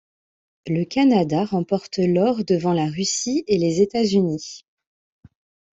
Le Canada remportent l'or devant la Russie et les États-Unis.